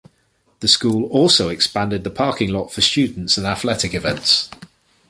The school also expanded the parking lot for students and athletic events.